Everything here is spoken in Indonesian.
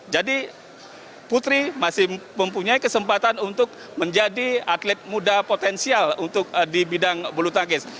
jadi putri masih mempunyai kesempatan untuk menjadi atlet muda potensial untuk di bidang bulu tangkis